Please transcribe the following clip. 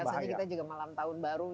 biasanya kita juga malam tahun baru